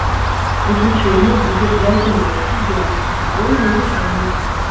Выключэнне будзе для гімназій з беларускай мовай навучання.